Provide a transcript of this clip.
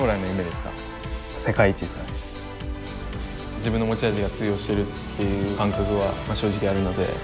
自分の持ち味が通用してるっていう感覚は正直あるので。